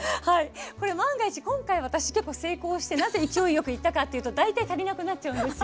これ万が一今回私結構成功してなぜ勢いよくいったかっていうと大体足りなくなっちゃうんですよ。